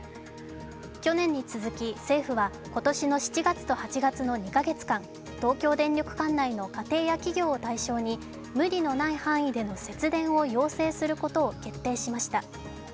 去年に続き政府は今年の７月と８月の２か月間、東京電力管内の家庭や企業を対象に無理のない範囲での節電を要請することを決定しました。